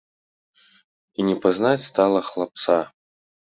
І не пазнаць стала хлапца.